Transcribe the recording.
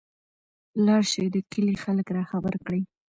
لاړشى د کلي خلک راخبر کړى.